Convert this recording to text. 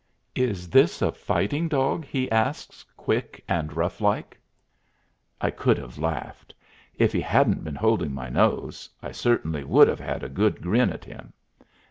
Is this a fighting dog?" he asks, quick and rough like. I could have laughed. If he hadn't been holding my nose, I certainly would have had a good grin at him.